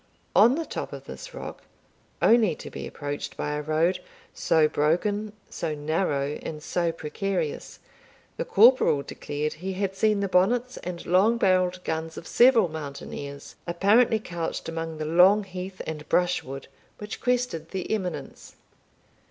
On the top of this rock, only to be approached by a road so broken, so narrow, and so precarious, the corporal declared he had seen the bonnets and long barrelled guns of several mountaineers, apparently couched among the long heath and brushwood which crested the eminence.